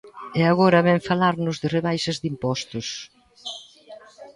E agora vén falarnos de rebaixas de impostos.